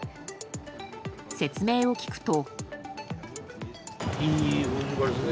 説明を聞くと。